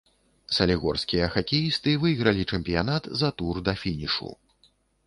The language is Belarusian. Салігорскія хакеісты выйгралі чэмпіянат за тур да фінішу.